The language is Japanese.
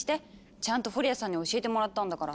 ちゃんとフォリアさんに教えてもらったんだから！